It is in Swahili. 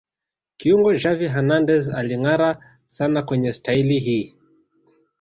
Kiungo Xavi Hernandez alingâara sana kwenye staili hii